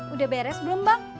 udah beres belum bang